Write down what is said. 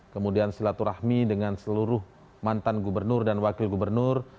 kemudian silaturahmi dengan seluruh mantan gubernur dan wakil gubernur